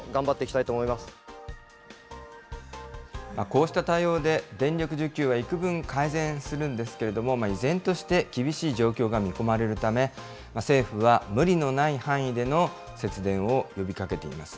こうした対応で、電力需給はいくぶん改善するんですけれども、依然として厳しい状況が見込まれるため、政府は無理のない範囲での節電を呼びかけています。